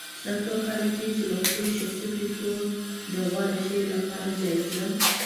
دا څو کاله کېږي چې له خپلو شخصي پیسو د غوره شعر لپاره جایزه